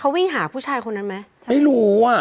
เขาวิ่งหาผู้ชายคนนั้นไหมไม่รู้อ่ะ